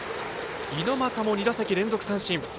猪俣も２打席連続三振。